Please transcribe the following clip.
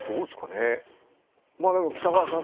でも北川さん